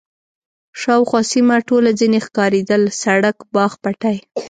شاوخوا سیمه ټوله ځنې ښکارېدل، سړک، باغ، پټی.